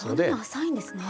浅いんですね。